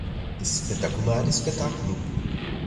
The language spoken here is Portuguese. Espetacular espetáculo